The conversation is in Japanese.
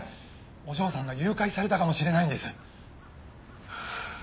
お嬢さんが誘拐されたかもしれないんです。